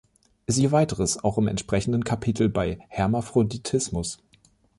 Siehe Weiteres auch im entsprechenden Kapitel bei Hermaphroditismus.